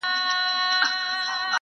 دلته شهیدي جنازې ښخېږي؛